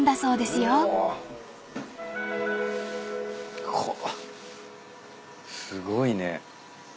すごいね。